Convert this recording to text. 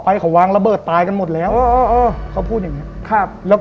เพราะว่าภายกันหมดแล้ว